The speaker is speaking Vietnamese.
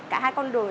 cả hai con đường